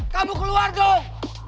kamu keluar dong